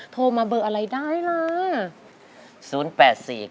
โทรมาเบอร์อะไรได้ล่ะ